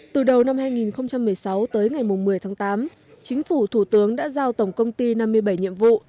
từ đầu năm hai nghìn một mươi sáu tới ngày một mươi tháng tám chính phủ thủ tướng đã giao tổng công ty năm mươi bảy nhiệm vụ